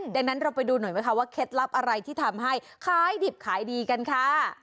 ดังนั้นเราไปดูหน่อยไหมคะว่าเคล็ดลับอะไรที่ทำให้ขายดิบขายดีกันค่ะ